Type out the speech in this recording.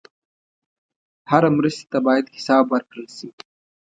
هره مرستې ته باید حساب ورکړل شي.